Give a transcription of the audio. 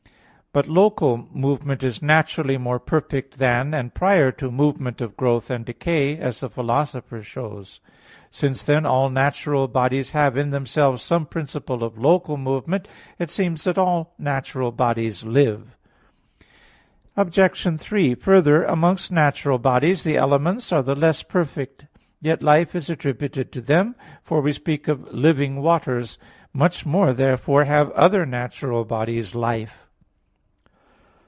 But local movement is naturally more perfect than, and prior to, movement of growth and decay, as the Philosopher shows (Phys. viii, 56, 57). Since then, all natural bodies have in themselves some principle of local movement, it seems that all natural bodies live. Obj. 3: Further, amongst natural bodies the elements are the less perfect. Yet life is attributed to them, for we speak of "living waters." Much more, therefore, have other natural bodies life.